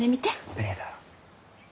ありがとう。